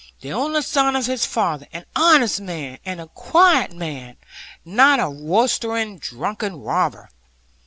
The only son of his father, an honest man, and a quiet man, not a roystering drunken robber!